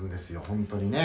本当にね」